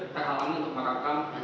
terhalangi untuk merekam